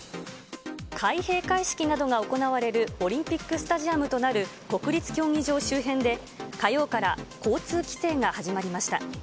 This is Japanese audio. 開閉会式などが行われるオリンピックスタジアムとなる国立競技場周辺で、火曜から交通規制が始まりました。